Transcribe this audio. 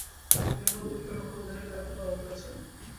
তিনি মূলতঃ উইকেট-রক্ষক ও অধিনায়কের দায়িত্ব পালন করেছেন।